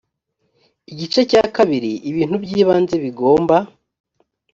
igice cya ii ibintu by ibanze bigomba